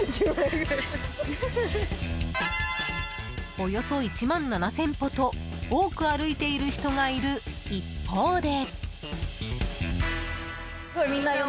およそ１万７０００歩と多く歩いている人がいる一方で。